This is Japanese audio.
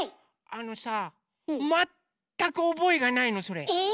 あのさあ全く覚えがないのそれ。